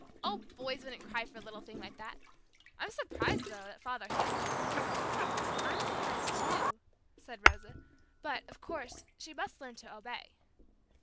"Oh, boys wouldn't cry for a little thing like that. I'm surprised, though, that father hit her." "I'm surprised too," said Rosa, "but, of course, she must learn to obey."